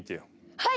はい！